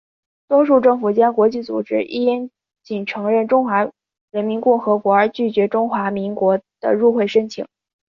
多数政府间国际组织亦因仅承认中华人民共和国而拒绝中华民国的入会申请。